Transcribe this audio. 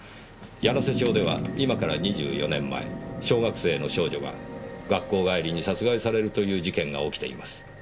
柳瀬町では今から２４年前小学生の少女が学校帰りに殺害されるという事件が起きています。